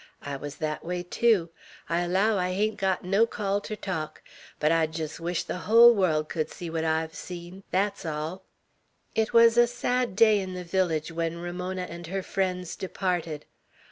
I wuz thet way tew; I allow I hain't got no call ter talk; but I jest wish the hull world could see what I've seen! Thet's all!" It was a sad day in the village when Ramona and her friends departed.